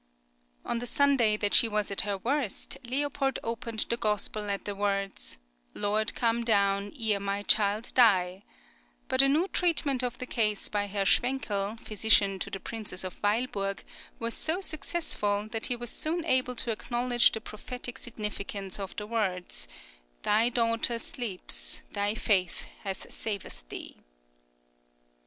On the Sunday that she was at her worst, Leopold opened the Gospel at the words: "Lord, come down, ere my child die;" but a new treatment of the case by Herr Schwenckel, physician to the Princess of Weilburg, was so successful, that he was soon able to acknowledge the prophetic significance of the words: "Thy daughter sleeps; thy faith hath saved thee."